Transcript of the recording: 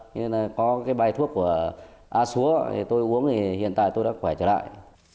như là có cái bài thuốc của a xúa thì tôi uống thì hiện tại tôi đã khỏe trở lại